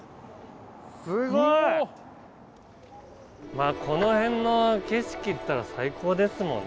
まあこの辺の景色っていったら最高ですもんね。